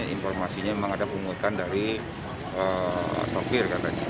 informasinya memang ada pungutan dari sopir katanya